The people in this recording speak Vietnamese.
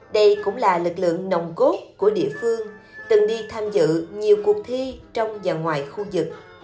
đây cũng là lực lượng nồng cốt của địa phương từng đi tham dự nhiều cuộc thi trong và ngoài khu vực